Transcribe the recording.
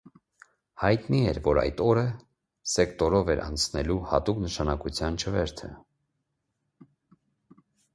Հայտնի էր, որ այդ օրը սեկտորով էր անցնելու հատուկ նշանակության չվերթը։